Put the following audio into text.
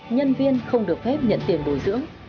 nhân viên không được phép nhận tiền bồi dưỡng